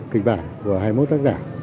kịch bản của hai mươi một tác giả